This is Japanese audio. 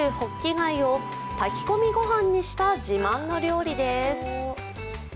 貝を炊き込みご飯にした自慢の料理です。